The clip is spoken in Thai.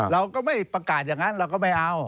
เราก็ไม่ประกาศอย่างนั้นเราก็ไม่เอา